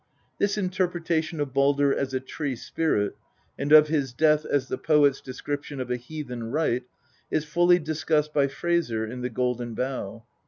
This interpretation of Baldr as a tree spirit, and of his death as the poet's description of a heathen rite, is fully discussed by Frazer in " The Golden Bough."